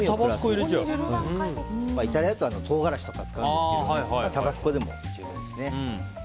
イタリアだと唐辛子とかを使うんですがタバスコでも大丈夫ですね。